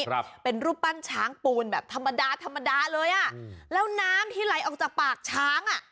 ครับเป็นรูปปั้นช้างปูนแบบธรรมดาธรรมดาเลยอ่ะแล้วน้ำที่ไหลออกจากปากช้างอ่ะ